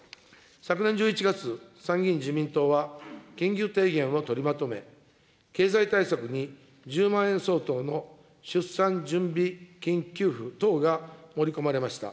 昨年１１月、参議院自民党は緊急提言を取りまとめ、経済対策に１０万円相当の出産準備金給付等が盛り込まれました。